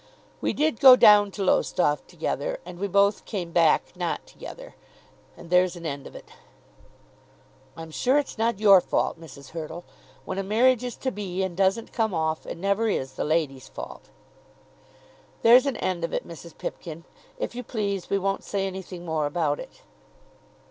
"We did go down to Lowestoft together, and we both came back, not together. And there's an end of it." "I'm sure it's not your fault, Mrs. Hurtle. When a marriage is to be, and doesn't come off, it never is the lady's fault." "There's an end of it, Mrs. Pipkin. If you please, we won't say anything more about it."